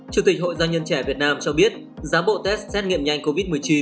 chủ tịch hội doanh nhân trẻ việt nam cho biết giá bộ test xét nghiệm nhanh covid một mươi chín